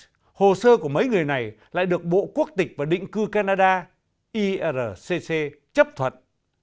thế nhưng với sự bảo trợ của voice hồ sơ của mấy người này lại được bộ quốc tịch và định cư canada chấp thuận